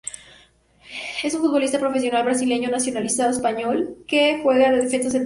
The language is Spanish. Es un futbolista profesional brasileño nacionalizado español que juega de defensa central.